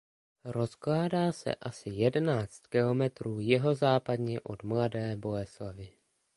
Rozkládá se asi jedenáct kilometrů jihozápadně od Mladé Boleslavi.